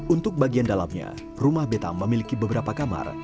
untuk bagian dalamnya rumah beta memiliki beberapa kamar